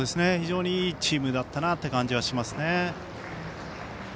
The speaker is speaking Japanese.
非常にいいチームだったなっていう感じはしますね。